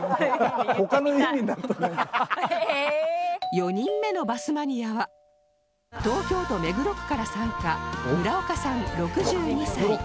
４人目のバスマニアは東京都目黒区から参加村岡さん６２歳